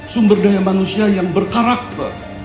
sumber daya manusia yang berkarakter